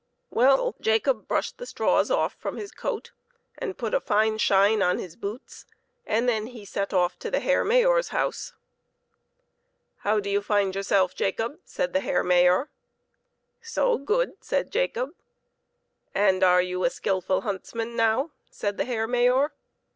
Well, Jacob brushed the straws off from his coat, and put a fine shine on his boots, and then he set off to the Herr Mayor's house. " How do you find yourself, Jacob ?" said the Herr Mayor. " So good," said Jacob. "And are you a skillful huntsman now?" said the Herr Mayor.